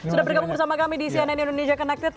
sudah bergabung bersama kami di cnn indonesia connected